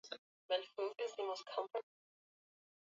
Marekani kuvua samaki katika Atlantiki Sasa vita